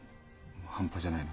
半端じゃないの。